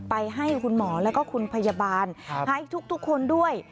ให้คุณหมอแล้วก็คุณพยาบาลให้ทุกคนด้วย